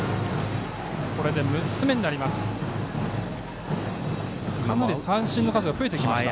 これで６つ目になります。